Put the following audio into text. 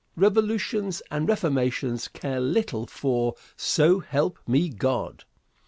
Revolutions and reformations care little for "So help me God."